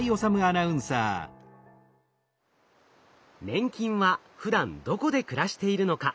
粘菌はふだんどこで暮らしているのか？